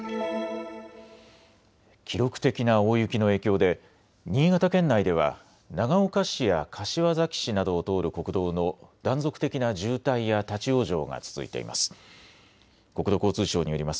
記録的な大雪の影響で新潟県内では長岡市や柏崎市などを通る国道の断続的な渋滞や立往生が続いています。